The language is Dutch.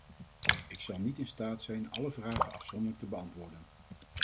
Ik zal niet in staat zijn alle vragen afzonderlijk te beantwoorden.